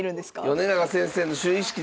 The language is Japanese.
米長先生の就位式ですよ。